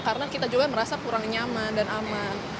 karena kita juga merasa kurang nyaman dan aman